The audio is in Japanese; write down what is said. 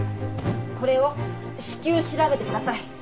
これを至急調べてください。